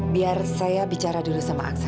biar saya bicara dulu sama aksa